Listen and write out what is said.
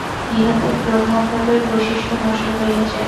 ইহাতে ব্রহ্মভাবের বৈশিষ্ট্য নষ্ট হইয়া যায়।